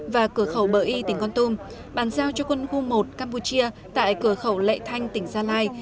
và cửa khẩu bờ y tỉnh con tum bàn giao cho quân khu một campuchia tại cửa khẩu lệ thanh tỉnh gia lai